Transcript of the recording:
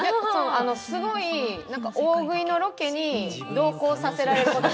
すごい大食いのロケに同行させられる。